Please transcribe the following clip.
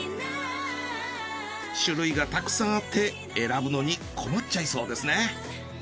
種類がたくさんあって選ぶのに困っちゃいそうですね。